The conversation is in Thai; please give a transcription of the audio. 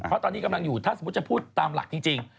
เพราะตอนนี้กำลังอยู่ถ้าสมมุติจะพูดตามหลักจริง